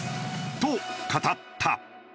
と語った。